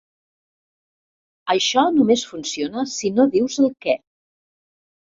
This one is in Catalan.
Això només funciona si no dius el què.